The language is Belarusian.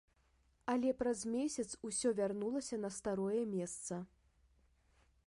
Але праз месяц усё вярнулася на старое месца.